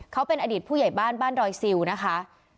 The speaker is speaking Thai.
เขาเป็นอดีตผู้ใหญ่บ้านบ้านดอยซิลนะคะ